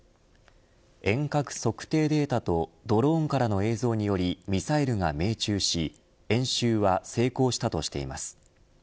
遠隔測定データとドローンからの映像によりミサイルが命中し演習は成功したとしています。